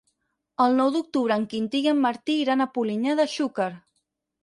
El nou d'octubre en Quintí i en Martí iran a Polinyà de Xúquer.